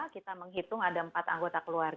kita menghitung ada empat anggota keluarga